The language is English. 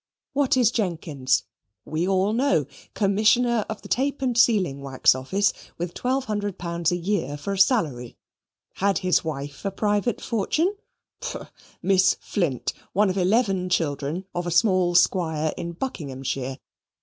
What is Jenkins? We all know Commissioner of the Tape and Sealing Wax Office, with 1200 pounds a year for a salary. Had his wife a private fortune? Pooh! Miss Flint one of eleven children of a small squire in Buckinghamshire.